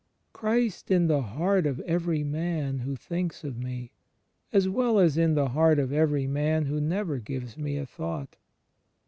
"Christ in the heart of every man who thinks of me" ... (as well as in the heart of every man who never gives me a thought).